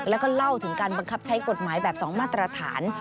แล้วก็เล่าถึงการบังคับใช้กฎหมายแบบ๒มาตรฐาน